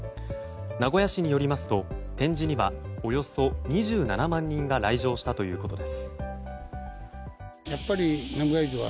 名古屋市によりますと展示にはおよそ２７万人が来場したということです。